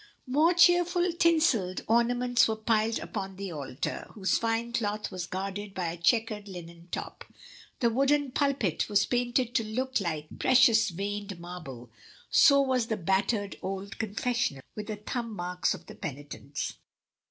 More cheerful tinselled ornaments were piled upon the altar, whose fine cloth was guarded by a chequered linen top. The wooden pulpit was painted to look like precious veined marble, so was the battered old confessional with the thumb marks of the penitents.